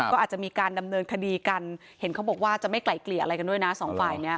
ก็อาจจะมีการดำเนินคดีกันเห็นเขาบอกว่าจะไม่ไกลเกลี่ยอะไรกันด้วยนะสองฝ่ายเนี้ย